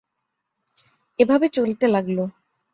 এভাবে চলতে লাগল।